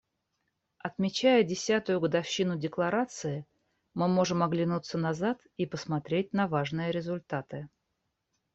Отмечая десятую годовщину Декларации, мы можем оглянуться назад и посмотреть на важные результаты.